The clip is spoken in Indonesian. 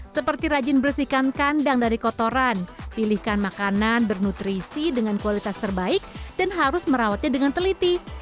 seperti rajin bersihkan kandang dari kotoran pilihkan makanan bernutrisi dengan kualitas terbaik dan harus merawatnya dengan teliti